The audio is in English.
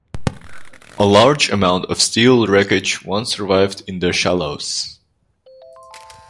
A large amount of steel wreckage once survived in the shallows.